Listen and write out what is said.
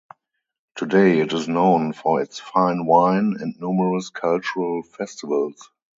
Today, it is known for its fine wine and numerous cultural festivals.